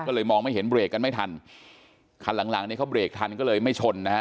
ก็เลยมองไม่เห็นเบรกกันไม่ทันคันหลังหลังนี้เขาเบรกทันก็เลยไม่ชนนะฮะ